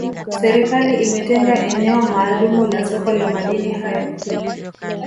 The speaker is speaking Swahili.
serikali imetenga eneo maalumu la soko la madini hayo